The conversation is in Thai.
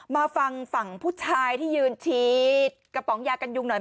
มาฟังฝั่งผู้ชายที่ยืนฉีดกระป๋องยากันยุงหน่อย